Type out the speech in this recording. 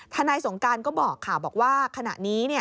นายสงการก็บอกค่ะบอกว่าขณะนี้